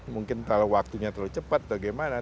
mungkin kalau waktunya terlalu cepat atau gimana